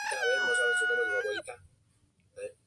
Las solteras oran para conseguir un buen marido.